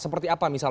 seperti apa misalnya